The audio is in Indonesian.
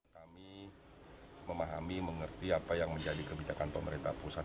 kami memahami mengerti apa yang menjadi kebijakan pemerintah pusat